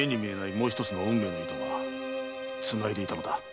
もう一つの運命の糸が繋いでいたのだ。